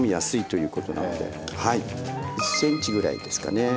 １ｃｍぐらいですかね。